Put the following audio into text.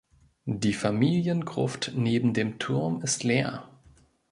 Die Familiengruft neben dem Turm ist leer.